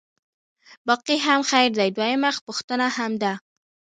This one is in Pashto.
باقي هم خیر دی، دویمه پوښتنه هم ده.